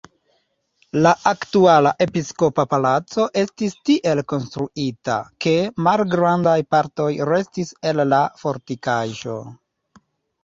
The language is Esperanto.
La aktuala episkopa palaco estis tiel konstruita, ke malgrandaj partoj restis el la fortikaĵo.